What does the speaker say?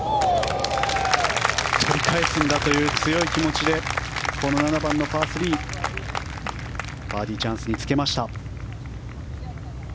取り返すんだという強い気持ちでこの７番のパー３バーディーチャンスにつけました。